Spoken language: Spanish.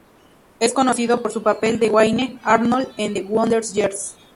Es conocido por su papel de "Wayne Arnold" en "The Wonder Years".